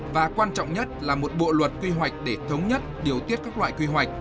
và quan trọng nhất là một bộ luật quy hoạch để thống nhất điều tiết các loại quy hoạch